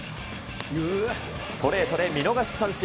ストレートで見逃し三振。